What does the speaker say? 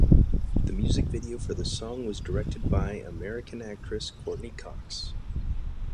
The music video for the song was directed by American actress Courteney Cox.